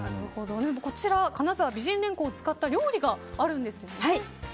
こちら金澤美人れんこんを使った料理があるんですよね。